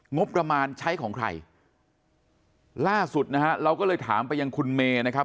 งบประมาณใช้ของใครล่าสุดนะฮะเราก็เลยถามไปยังคุณเมย์นะครับ